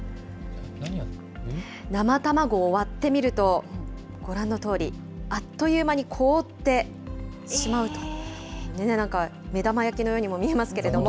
生卵を割ってみると、ご覧のとおり、あっという間に凍ってしまうと、なんかね、目玉焼きのようにも見えますけれども。